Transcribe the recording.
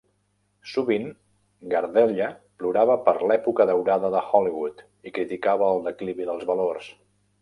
Sovint, Gardella plorava per "l'època daurada de Hollywood" i criticava el declivi dels valors.